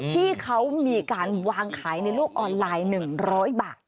ที่เขามีการวางขายในโลกออนไลน์๑๐๐บาท